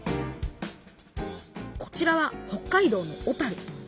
こちらは北海道の小樽。